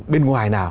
bên ngoài nào